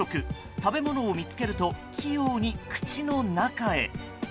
食べ物を見つけると器用に口の中へ。